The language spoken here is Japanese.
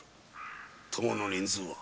供の人数は？